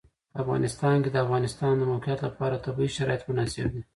په افغانستان کې د د افغانستان د موقعیت لپاره طبیعي شرایط مناسب دي.